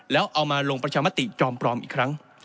แล้วเอามาลงประชามติจอมปลอมอีกครั้ง